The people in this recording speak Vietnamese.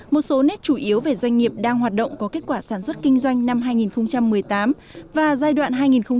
một số nét chủ yếu về doanh nghiệp đang hoạt động có kết quả sản xuất kinh doanh năm hai nghìn một mươi tám và giai đoạn hai nghìn một mươi sáu hai nghìn một mươi chín